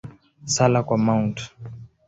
Sala kwa Mt.